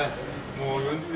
もう４０年。